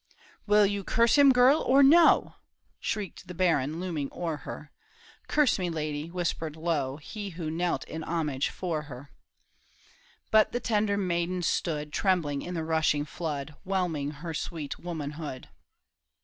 " Will you curse him, girl, or no ?" Shrieked the baron looming o'er her, " Curse me, lady ;" whispered low He who knelt in homage 'fore her. But the tender maiden stood Trembling in the rushing flood Whelming her sweet womanhood.